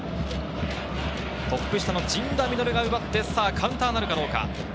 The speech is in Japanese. トップ下の陣田成琉が奪って、カウンターになるかどうか。